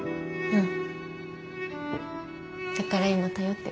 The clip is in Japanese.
うん。